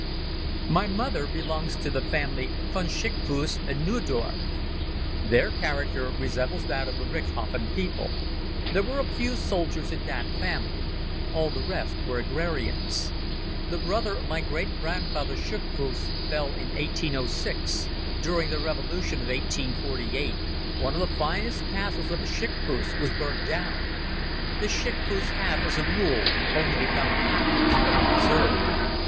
My mother belongs to the family Von Schickfuss und Neudorf. Their character resembles that of the Richthofen people. There were a few soldiers in that family. All the rest were agrarians. The brother of my great grandfather Schickfuss fell in 1806. During the Revolution of 1848 one of the finest castles of a Schickfuss was burnt down. The Schickfuss have, as a rule, only become Captains of the Reserve.